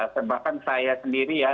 sempat kan saya sendiri ya